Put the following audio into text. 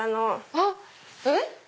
あっえっ？